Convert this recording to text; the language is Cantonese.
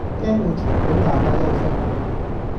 驚會嘈到大家休息